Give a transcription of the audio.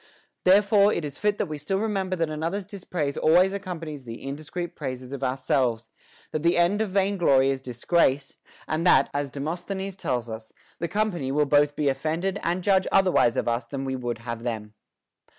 Therefore it is fit we still remember that another's dispraise always accompanies the indiscreet praises of ourselves ; that the end of vain glory is disgrace ; and that, as Demosthenes tells us, the company will both be offended and judge otherwise of us than we would have them.